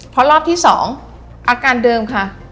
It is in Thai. เพราะรอบที่๒อาการเดิมค่ะ